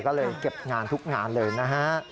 ก็เลยเก็บงานทุกงานเลยนะฮะ